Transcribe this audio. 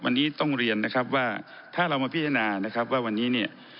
วันนี้ต้องเรียนนะครับว่าถ้าเรามาพิจารณานะครับว่าวันนี้เนี่ย